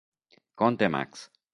Conte Max